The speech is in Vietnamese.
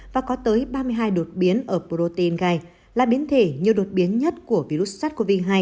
và có tới ba mươi hai đột biến ở protein gai là biến thể nhiều đột biến nhất của virus sars cov hai